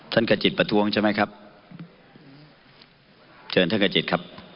กระจิตประท้วงใช่ไหมครับเชิญท่านกระจิตครับ